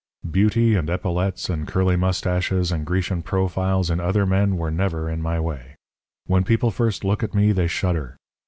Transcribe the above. Beauty and epaulettes and curly moustaches and Grecian profiles in other men were never in my way. When people first look at me they shudder.